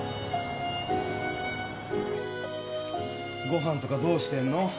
ご飯とかどうしてんの？